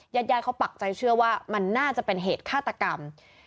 ยัดยันทร์เขาปักใจเชื่อว่ามันน่าจะเป็นเหตุฆ่าตกรรม